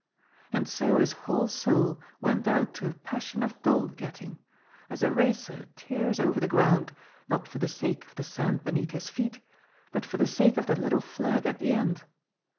And so his whole soul went out to a passion of gold getting, as a racer tears over the ground, not for the sake of the sand beneath his feet. TREATS OP RELIGION, 193 but for the sake of that little flag at the end.